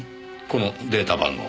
このデータ番号。